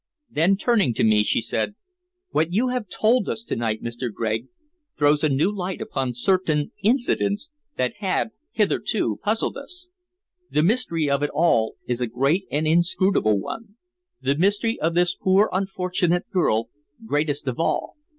Then, turning to me, she said: "What you have told us to night, Mr. Gregg, throws a new light upon certain incidents that had hitherto puzzled us. The mystery of it all is a great and inscrutable one the mystery of this poor unfortunate girl, greatest of all.